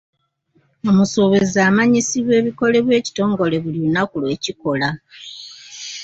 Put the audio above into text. Omusuubuzi amanyisibwa ebikolebwa ekitongole buli lunaku lwe kikola.